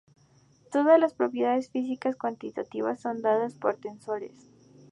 Todas las propiedades físicas cuantitativas son dadas por tensores.